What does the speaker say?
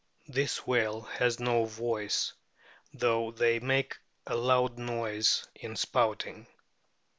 This whale has no voice, though they make a loud noise in spouting.